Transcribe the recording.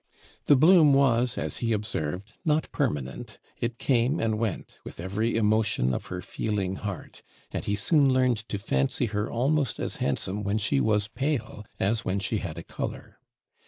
The bloom was, as he observed, not permanent; it came and went, with every emotion of her feeling heart; and he soon learned to fancy her almost as handsome when she was pale as when she had a colour.